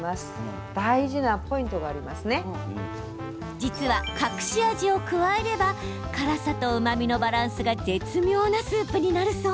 実は、隠し味を加えれば辛さとうまみのバランスが絶妙なスープになるそう。